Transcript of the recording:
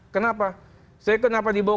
kenapa saya kenapa dibawa